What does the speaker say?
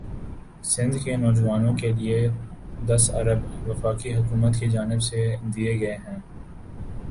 سندھ کے نواجوانوں کے لئے دس ارب وفاقی حکومت کی جانب سے دئے گئے ہیں